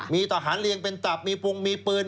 มีทหารเรียงเป็นตับมีปรุงมีปืน